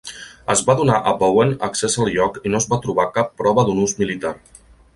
Es va donar a Bowen accés al lloc i no es va trobar cap prova d'un ús militar.